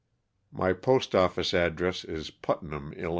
My postoffice address is Putnam, 111.